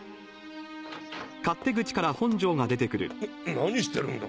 何してるんだ？